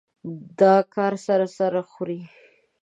دا کار سر سره خوري.